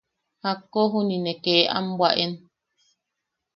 Jakko juniʼi ne kee am bwaʼen.